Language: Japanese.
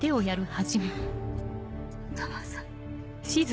お父さん。